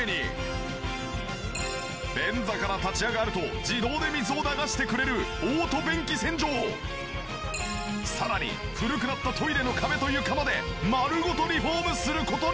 便座から立ち上がると自動で水を流してくれるさらに古くなったトイレの壁と床まで丸ごとリフォームする事に！